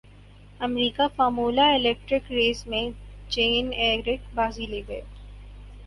امریکہ formula electric race میں Jean Eric بازی لے گئے